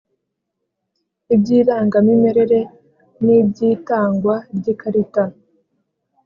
Iby’irangamimerere nibyitangwa ry’ikarita.